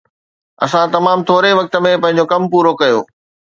اسان تمام ٿوري وقت ۾ پنهنجو ڪم پورو ڪيو